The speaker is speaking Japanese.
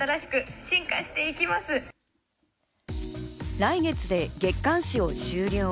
来月で月刊誌を終了。